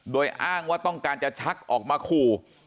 โดยอ้างว่าต้องการจะชักออกมาขู่